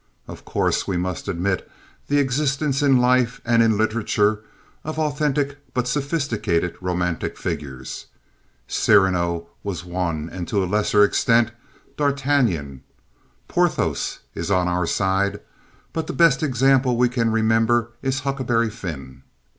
Of course we must admit the existence in life and in literature of authentic but sophisticated romantic figures. Cyrano was one and, to a lesser extent, d'Artagnan. Porthos is on our side. But the best example we can remember is Huckleberry Finn.